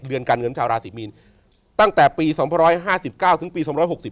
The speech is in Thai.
การเงินชาวราศีมีนตั้งแต่ปี๒๕๙ถึงปี๒๖๐